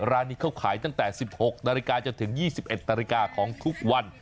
ร้านนี้เขาขายตั้งแต่๑๖นาฬิกาจนถึง๒๑นาฬิกาของทุกวัน